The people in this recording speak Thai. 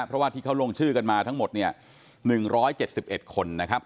เพราะว่าที่เขาลงชื่อกันมาทั้งหมดเนี่ย๑๗๑คนนะครับ